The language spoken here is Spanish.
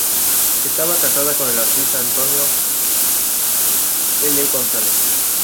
Estaba casada con el artista Antonio I. González.